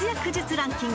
ランキング